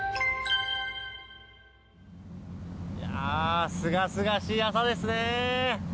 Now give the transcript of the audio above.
いやすがすがしい朝ですね！